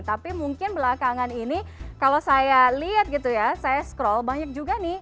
tapi mungkin belakangan ini kalau saya lihat gitu ya saya scroll banyak juga nih